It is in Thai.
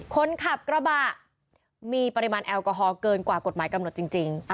คนขับกระบะมีปริมาณแอลกอฮอลเกินกว่ากฎหมายกำหนดจริง